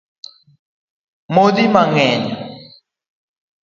Modh pii mang’eny